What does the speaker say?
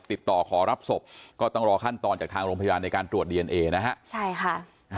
ติดต่อขอรับศพก็ต้องรอขั้นตอนจากทางโรงพยาบาลในการตรวจดีเอนเอนะฮะใช่ค่ะ